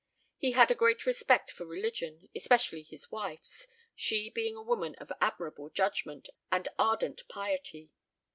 He had a great respect for religion, especially his wife's, she being a woman of admirable judgment and ardent piety.